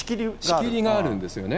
仕切りがあるんですよね。